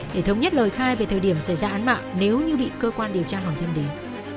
để thống nhất lời khai về thời điểm xảy ra án mạng nếu như bị cơ quan điều tra hỏi thêm đến